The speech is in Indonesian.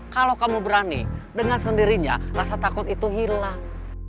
kalau kamu berani dengan sendirinya rasa takut itu hilang